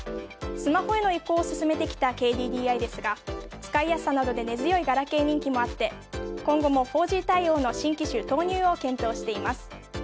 スマホへの移行を進めてきたＫＤＤＩですが使いやすさなどで根強いガラケー人気もあって今後も４Ｇ対応の新機種投入を検討しています。